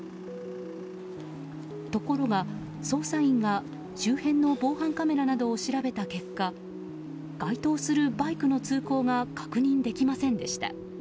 ところが、捜査員が周辺の防犯カメラなどを調べた結果該当するバイクの通行が確認できませんでした。